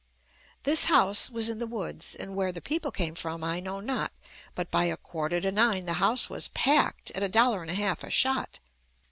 This house was in the woods, and where the people came from I know not, but by a quarter to nine the house was packed at a dollar and a half a shot.